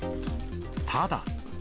ただ。